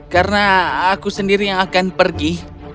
karena aku sendiri yang akan pergi